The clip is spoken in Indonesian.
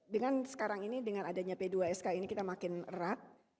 dengan sekarang ini dengan adanya p dua sk ini kita makin erat